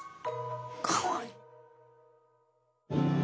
かわいい。